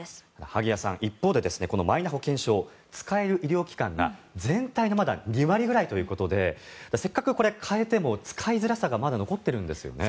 萩谷さん、一方でこのマイナ保険証使える医療機関が全体のまだ２割ぐらいということで、せっかく変えても使いづらさがまだ残っているんですよね。